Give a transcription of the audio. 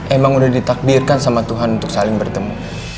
emang udah ditakdirkan sama tuhan untuk saling bertemu